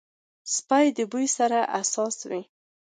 سپي د بوی سره حساس وي.